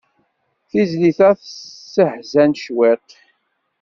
Tizlit-a tesseḥzan cwiṭ.